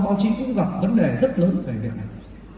báo chí cũng gặp vấn đề rất lớn về việc này